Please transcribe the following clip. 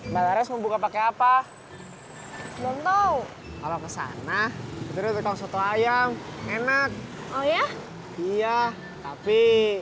mbak harus membuka pakai apa belum tahu kalau kesana itu ada satu ayam enak oh ya iya tapi